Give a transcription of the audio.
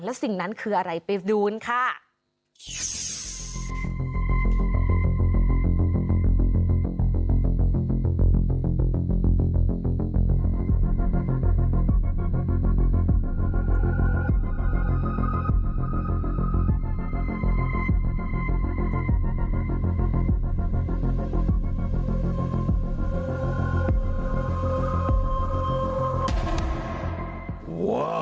แล้วสิ่งนั้นคืออะไรไปดูกันค่ะ